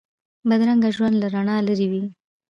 بدرنګه ژوند له رڼا لرې وي